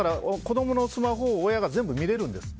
子供のスマホを全部親が見れるんです。